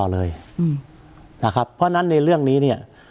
เพราะฉะนั้นในเรื่องนี้เนี่ย